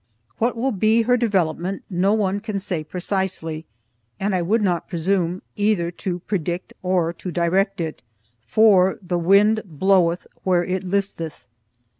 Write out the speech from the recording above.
What will be her development no one can say precisely, and I would not presume either to predict or to direct it, for "the wind bloweth where it listeth."